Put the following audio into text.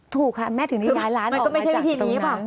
ถูกค่ะแม่ถึงได้ย้ายร้านออกมาจากตรงนั้น